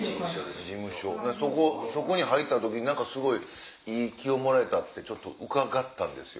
そこに入った時にいい気をもらえたって伺ったんですよ。